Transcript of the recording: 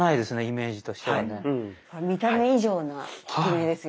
見た目以上な効き目ですよね。